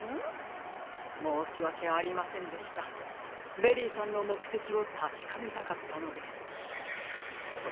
ベリーさんのもくてきをたしかめたかったので。